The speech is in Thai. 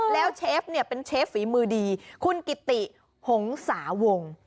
แล้วเชฟเนี่ยเป็นเชฟฝีมือดีคุณกิติหงษาวง